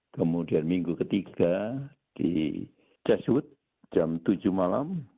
kemudian minggu ketiga di cashwood jam tujuh malam